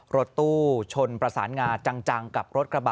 รถตู้ชนประสานงาจังกับรถกระบะ